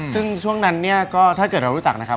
ซึ่งช่วงนั้นเนี่ยก็ถ้าเกิดเรารู้จักนะครับ